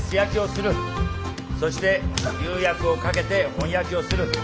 そして釉薬をかけて本焼きをする。